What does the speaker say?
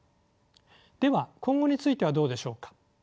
では今後についてはどうでしょうか？